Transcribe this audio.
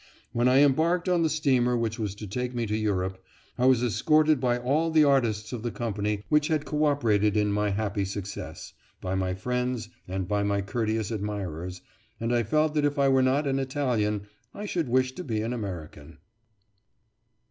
When I embarked on the steamer which was to take me to Europe, I was escorted by all the artists of the company which had cooperated in my happy success, by my friends, and by courteous admirers, and I felt that if I were not an Italian I should wish to be an American.